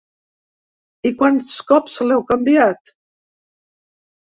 I quants cops l’heu canviat?